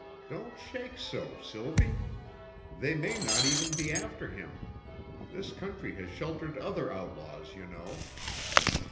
Don't shake so, Sylvie. They may not even be after him; this country has sheltered other outlaws, you know.